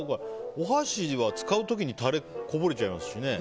お箸は使う時にタレこぼれちゃいますし。